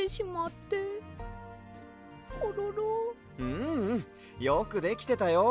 ううん。よくできてたよ。